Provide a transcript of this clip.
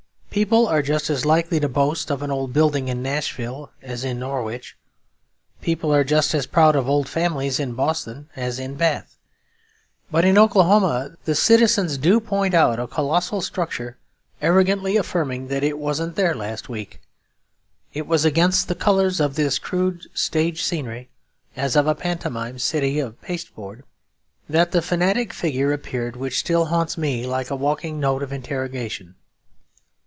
People are just as likely to boast of an old building in Nashville as in Norwich; people are just as proud of old families in Boston as in Bath. But in Oklahoma the citizens do point out a colossal structure, arrogantly affirming that it wasn't there last week. It was against the colours of this crude stage scenery, as of a pantomime city of pasteboard, that the fantastic figure appeared which still haunts me like a walking note of interrogation.